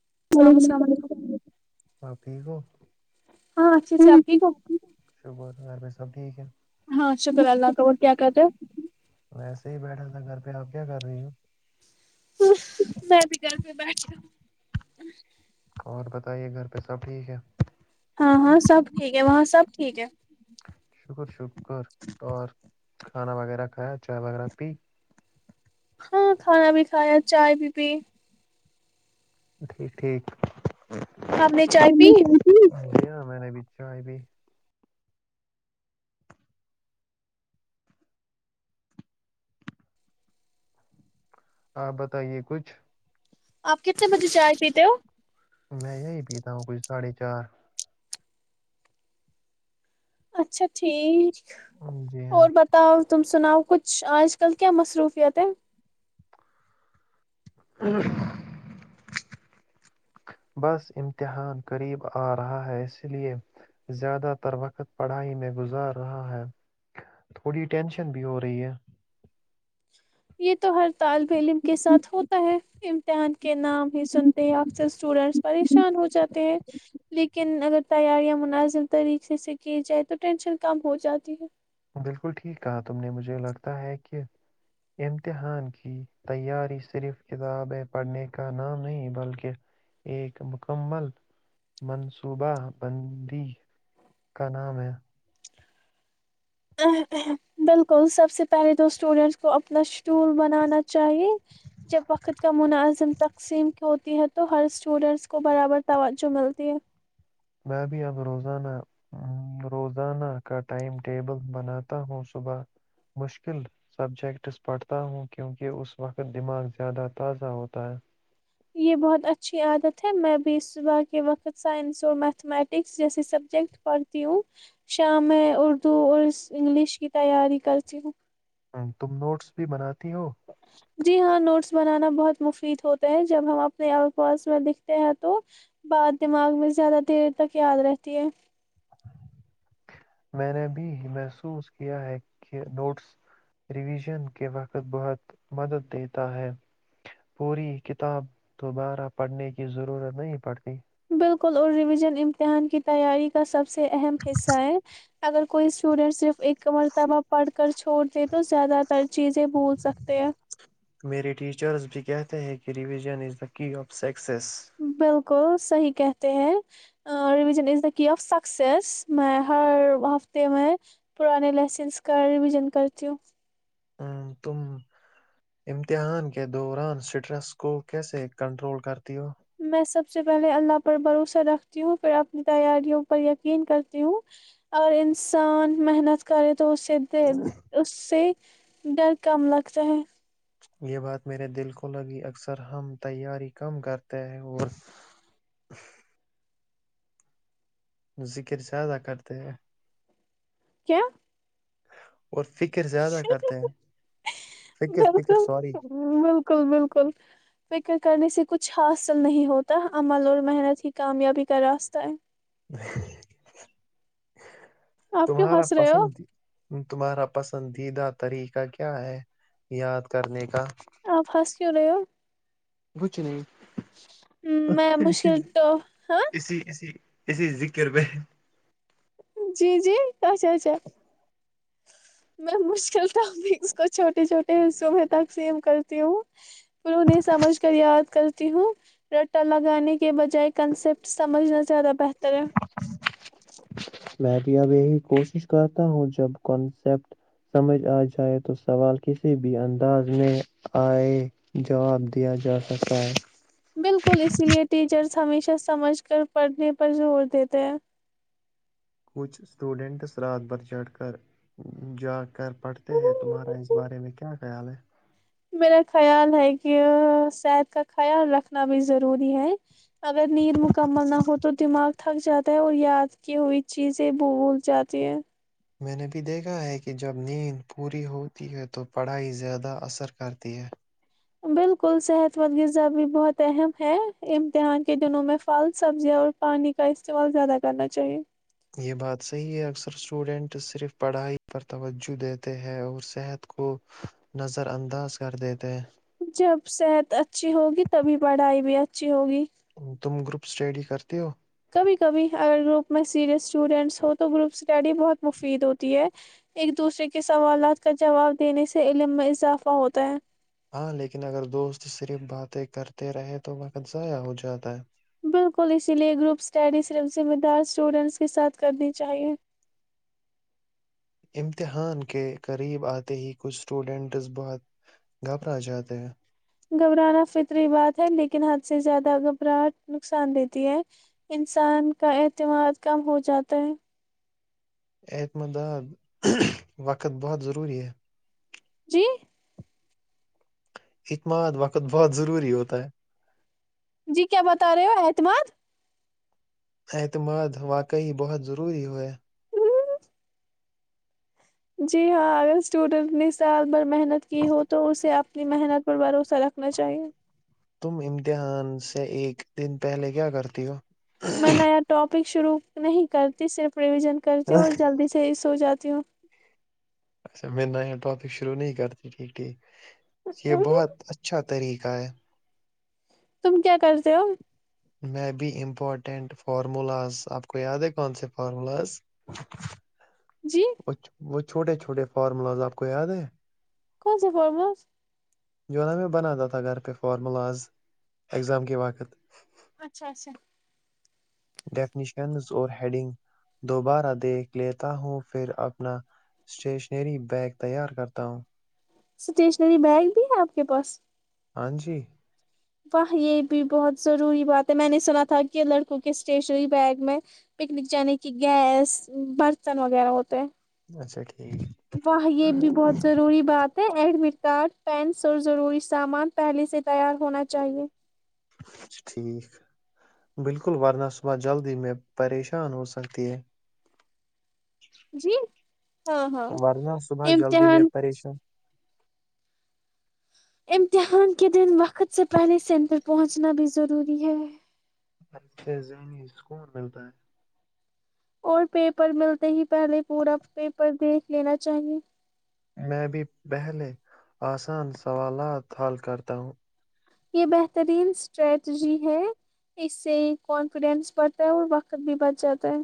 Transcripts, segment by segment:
ہل السلام السلام مم علیکم الام اللام علیکم ہپیک ہو ہاں اچھے اچ سے آپ کی کو گھر میں سب ٹھیک ہے ہاں شکر اللہ کاور کیا کہتے ہیں پ آ کیا کر رہی ہو ہ میں بھی گھر پ بیٹھ گا اور بتائیے گھر پہ سب ٹھیک ہے ہاں ہاں سب ٹھیک ہے وہاں سب ٹھیک ہے شکر شکر اور کھانا وغیرہ کھایا چائے وغیرہ پی ہاں کھانا بھی کھایا چائے بھی پی ٹھیک ٹھیک آپ نے چائے پی ن میں نے بچھو ہے بھی آپ بتائیے کچھ آپ کتنے بجے چائے پیتے ہو ساڑھے چار اچھا ٹھیک اور پتا تم سناؤ کچھ آج کل کیا مصروفیت ہے [unintelligible] یہ تو ہر طالب علم کے ساتھ ہوتا ہے امتحان کے نام ہی سنتے ہی اکثر اسٹوڈینٹس پریشان ہو جاتے ہیں لیکن اگر تیاریاں مناظر طریقے سے کی جائے تو ٹینشن کم ہو جاتی ہے بالکل ٹھیک کہا تم نے مجھے لگتا ہے کہ امتحان کی تیاری صرف کتابیں پڑھنے کا نام نہیں بلکہ ایک مکمل منصوبہ بندی کا نام ہے بالکل سب سے پہلے تو اسٹوڈینٹس کو اپنا شٹول بنانا چاہیے جب وقت کا مناعظم تقسیم کی ہوتی ہے تو ہر اسٹوڈینٹس کو برابر توجہ ملتی ہے [unintelligible] یہ بہت اچھی عادت ہے میں بھی صبح کے وقت سائنس اور میتھمیٹکس جیسے سبجیکٹ پڑھتی ہوں شام میں اردو اور انگلش کی تیاری کرتی ہوں ہ تم نوٹس بھی بناتی ہو جی ہاں نوٹس بنانا بہت مفید ہوتا ہے جب ہم اپنے آس پاس میں لکھتے ہیں تو بات دماغ میں زیادہ دیر تک یاد رہتی ہے میں نے بھی محسوس کیا ہے کہ نوٹس ریویژن کے وقت بہت مدد دیتا ہے پوری کتاب دوبارہ پڑھنے کی ضرورت نہیں پڑتی بالکل اور ریویژن امتحان کی تیاری کا سب سب سے اہم حصہ ہے اگر کوئی اسٹوڈینٹ صرف ایک مرتبہ پڑھ کر چھوڑ د تو زیادہ تر چیزیں بھول سکتے ہیں ہے کہ revision is the key of seek success [unintelligible] کو صحیح کہتے ہیں رون از دا آف سکس میں ہر ہفتے میں پرانے لیسنس کا ریویژن کرتی ہوں ہ تم امتحان کے دوران اسٹریس کو کیسے کنٹرول کرتی ہو میں سب سے پہلے اللہ پر بھروسہ رکھتی ہوں پھر اپنی تیاریوں پر یقین کرتی ہوں اور انسان محنت کرے تو اسے د اس سے ڈر کم لگتا ہے یہ بات میرے دل کو لگی، اکثر ہم تیاری کم کرتے ہیں اور ذکر زیادہ کرتے ہیں کیا اور فکر زیادہ کرتے ہیں فکر فکر بالکل سوری بالکل بالکل فکر کرنے سے کچھ حاصل نہیں ہوتا عمل اور محنت ہی کامیابی کا راستہ ہے [inaudible] آپ کیوں تمہارا ہنس رہے ہو پسند تمہارا پسندیدہ طریقہ کیا ہے یاد کرنے کا آپ ہس کیوں رہے ہو بوچ نہیں ہ میں مشکل تو ہاں اسی ذکر بہت جی جی اچھا اچھا میں مشکل تھا ک چھوٹے چھوٹے صبح تک سیم کر ہوں پیں سمجھ کر یاد کرتی ہوں رٹا لگانے کے بج کنسپٹ سمجھنا زیادہ بہتر ہے میں بھی اب یہی کوشش کرتا ہوں جب کنسیپٹ سمجھ آ جائے تو سوال کسی بھی انداز میں آئے جواب دیا جا سکتا ہے بالکل اس لیے ٹیچرز ہمیشہ سمجھ کر پڑھنے پر زور دیتے ہیں کچھ اسٹوڈنٹس رات بھر چڑھ کر جا کر پڑھتے ہیں تمہارا اس بارے میں کیا خیال ہے میرا خیال ہے کہ صحت کا خیال رکھنا بھی ضروری ہے اگر نیند مکمل نہ ہو تو دماغ تھک جاتا ہے اور یاد کی ہوئی چیزیں بھول جاتی ہے میں نے بھی دیکھا ہے کہ جب نیند پوری ہوتی ہے تو پڑھائی زیادہ اثر کرتی ہے بالکل صحت مند غذا بھی بہت اہم ہے امتحان کے دنوں میں پھل سبزیاں اور پانی کا استعمال زیادہ کرنا چاہیے یہ بات صحیح ہے اکثر اسٹوڈنٹ صرف پڑھائی پر توجہ دیتے ہیں اور صحت کو نظر انداز کر دیتے ہیں جب صحت اچھی ہوگی تبھی پڑھائی بھی اچھی ہوگی تم گروپ اسٹڈی کرتے ہو کبھی کبھی اگر گروپ میں سیریس اسٹوڈینٹس ہو تو گروپ اسٹڈی بہت مفید ہوتی ہے ایک دوسرے کے سوالات کا جواب دینے سے علم میں اضافہ ہوتا ہے ہاں لیکن اگر دوست صرف باتیں کرتے رہے تو وقت ضائع ہو جاتا ہے بالکل اسی لیے گروپ اسٹڈی صرف ذمہ دار اسٹوڈنٹس کے ساتھ کرنی چاہیے امتحان کے قریب آتے ہی کچھ اسٹوڈنٹز بہت گھبرا جاتے ہیں گھبرانا فطری بات ہے لیکن حد سے زیادہ گھبراہٹ نقصان دیتی ہے انسان کا اعتماد کم ہو جاتا ہے اعتمداد وقت بہت ضروری ہے جی اعتماد وقت بہت ضروری ہوتا ہے جی کیا بتا رہے ہو اعتماد اعتماد واقعی بہت ضروری ہوئے جی ہاں اگر اسٹوڈینٹ سال بڑ محنت کی ہو تو اسے آپ اپنی محنت پر بھروسہ رکھنا چاہیے تم امتحان سے ایک دن پہلے کیا کرتی ہو میں نیا ٹاپک شروع نہیں کرتی صرف پرویژن کرتے ہو اور جلدی سے س ہو جاتا ستیو اچھا میں نیا ٹاپک شروع نہیں کرتی ٹھیک ٹھیک یہ بہت اچھا طریقہ ہے تم کیا کرتے ہو میں بی امپورٹینٹ فارمولاز آپ کو یاد ہے کون سے فارمولاز جی وہھ وہھ [unintelligible] چھوٹے چھوٹے فارمولاز آپ کو یاد ہے کون سے پڑمس جو نا میں بناتا تھا گھر پہ فارملاز اگزام کے واقت اچھا اچھا ڈیفنیشنز اور ہیڈنگ دوبارہ دیکھ لیتا ہوں پھر اپنا اسٹیشنری بیگ تیار کرتا ہوں اسٹیشنری بیگ بھی ہے آپ کے پاس ہاں جی واہ یہ بھی بہت ضروری بات ہے میں نے سنا تھا کہ لڑکوں کے اسٹیشنری بیگ میں پکنک جانے کی گیس برتن وغیرہ ہوتے ہیں اچا واہ یہ بھی بہت ضروری بات ایڈمٹ کارڈ پینس اور ضروری سامان پہلے سے تیار ہونا چاہیے چ ٹھیک بالکل ورنہ صبح جلدی میں پریشان ہو سکتی ہے جی ہاں ہاں ورنہ صبح جلدی میں امتحان پریشان امتحان کے دن وقت سے پہلے سینٹر پہنچنا بھی ضروری ہے ای سے ذہنی سکون ملتا ہے اور پیپر ملتے ہی پہلے پورا پیپر دیکھ لینا چاہیے میں بھی پہلے آسان سوالات حل کرتا ہوں یہ بہترین اسٹریٹجی ہے اس سے کانفیڈینس بڑھتا ہے اور وقت بھی بچ جاتا ہے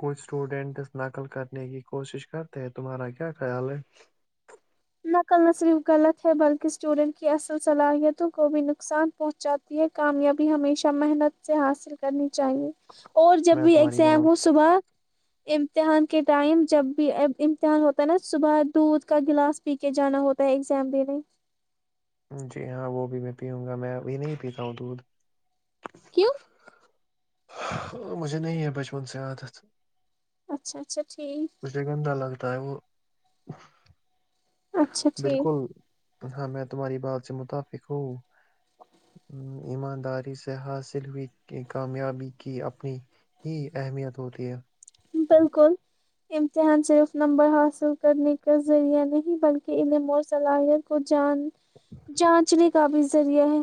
کچھ اسٹوڈنٹس نقل کرنے کی کوشش کرتے ہیں تمہارا کیا خیال ہے نقل نہ صرف غلط ہے بلکہ اسٹوڈینٹ کی اصل صلاحیتوں کو بھی نقصان پہنچاتی ہے کامیابی ہمیشہ محنت سے حاصل کرنی چاہیے اور جب بھی ایگزام ہو صبح امتحان کے ٹائم جب بھی ا امتحان ہوتا ہے نا صبح دودھ کا گلاس پی کے جانا ہوتا ہے ایگزام دینے جی ہاں وہ بھی میں پیوں گا میں ابھی نہیں پیتا ہوں دودھ کیوں مجھے نہیں ہے بچپن سے عادت اچھا اچھا ٹھیک اسے گندا لگتا ہے وہ [inaudible] اچھا ٹھیک ہاں میں تمہاری بات سے متفق ہوں ایمانداری سے حاصل ہوئی کامیابی کی اپنی ہی اہمیت ہوتی ہے بالکل امتحان صرف نمبر حاصل کرنے کا ذریعہ نہیں بلکہ انہیں مور صلاحیت کو جان جانچنے کا بھی ذریعہ ہے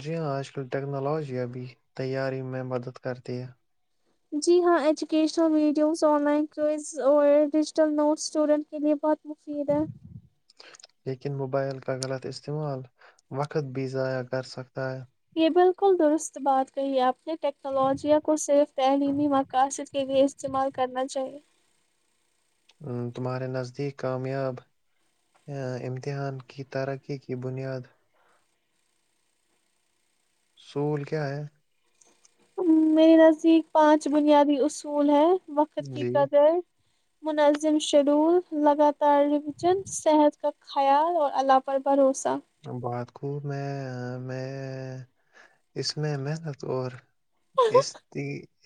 جی ہاں آج کل ٹیکنالوجی ابھی تیاری میں مدد کرتی ہے جی ہاں educational videos online courses اور ڈیجیٹل نوٹس اسٹوڈنٹ کے لیے بہت مفید ہے لیکن موبائل کا غلط استعمال وقت بھی ضائع کر سکتا ہے یہ بالکل درست بات کہی ہے آپ نے ٹیکنالوجیا کو صرف تعلیمی مقاصد کے لیے استعمال کرنا چاہیے تمہارے نزدیک کامیاب امتحان کی ترقی کی بنیاد سول کیا ہے میرے نزدیک پانچ بنیادی اصول ہے وقر کی کر جا ہے منظم شیڈول لگاتار طال وجن صحت کا خیال اور اللہ پر بھروسہ بات کو میں میں اس میں مح اور اس ت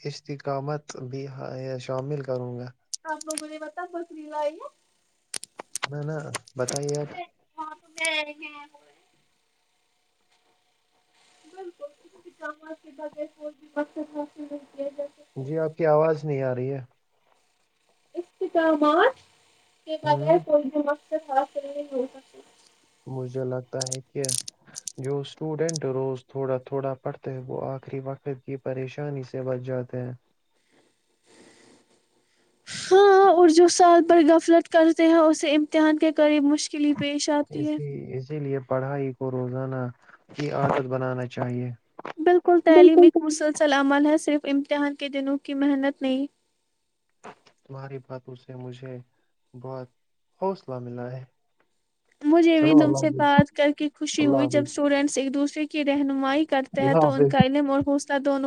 اسشتقامت بھی شامل کروں گا گے پت بکری لائی ہے نہ نہ بتائیے آپ آ تو بالکل اس کےم کے بغیر کوئی بھی مقصد حص جی آپ کی آواز نہیں آ رہی ہے استقامات یہ بار کوئی دا خا کر ہو سکتی مجھے لگتا ہے کہ جو اسٹوڈنٹ روز تھوڑا تھوڑا پڑھتے وہ آخری وقت کی پریشانی سے بچ جاتے ہیں ہاں اور جو سال بھر غفلت کرتے ہیں اسے امتحان کے قریب مج مشکللی پیش آتی ہے پڑھائی کو روزانہ کی عادت بنانا چاہیے بالکل تعلیم ایک مسلسل عمل ہے صرف امتحان کے دنوں کی محنت نہیں تمہاری باتوں سے مجھے بہت حوصلہ ملا ہے مجھے بھی تم سے بات کر کے خوشی ہوئی جب اسٹوڈینٹس ایک دوسرے کی رہنمائی کرتے ہیں تو ان کا علم اور حص دونوں